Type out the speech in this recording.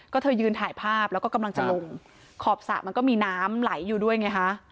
ก็เธอยืนถ่ายภาพแล้วก็กำลังจะลงขอบสระมันก็มีน้ำไหลอยู่ด้วยไงฮะ